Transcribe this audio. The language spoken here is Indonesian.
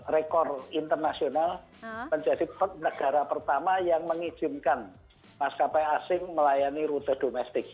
rekor internasional menjadi negara pertama yang mengizinkan maskapai asing melayani rute domestik